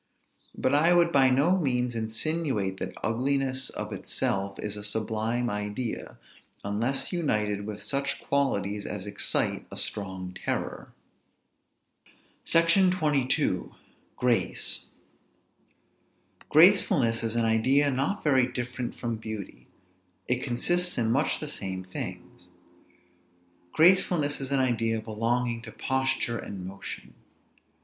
But I would by no means insinuate that ugliness of itself is a sublime idea, unless united with such qualities as excite a strong terror. SECTION XXII. GRACE. Gracefulness is an idea not very different from beauty; it consists in much the same things. Gracefulness is an idea belonging to posture and motion.